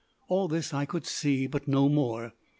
All this I could see, but no more.